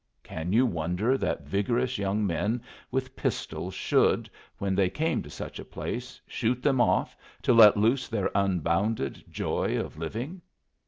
Can you wonder that vigorous young men with pistols should, when they came to such a place, shoot them off to let loose their unbounded joy of living?